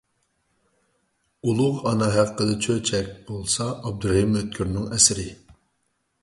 «ئۇلۇغ ئانا ھەققىدە چۆچەك» بولسا ئابدۇرېھىم ئۆتكۈرنىڭ ئەسىرى.